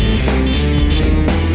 udah bocan mbak